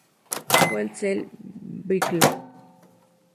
Fuel cell vehicle